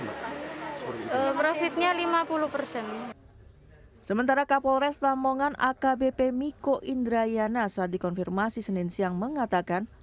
sementara kapolres lamongan akbp miko indrayana saat dikonfirmasi senin siang mengatakan